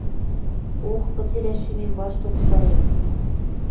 Ох, кыцелӓ шӱмем вашток сырем!